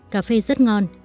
cà phê rất ngon